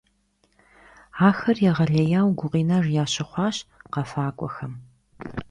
Axer yêğelêyaue gukhinejj yaşıxhuaş khefak'uexem.